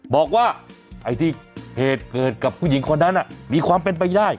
บอกว่าไอ้ที่เหตุเกิดกับผู้หญิงคนนั้นมีความเป็นไปได้